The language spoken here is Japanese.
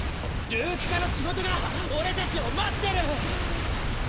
ルーク課の仕事が俺たちを待ってる！